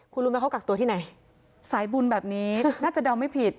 คุณรู้ไหมเขากักตัวที่ไหนสายบุญแบบนี้น่าจะเดาไม่ผิด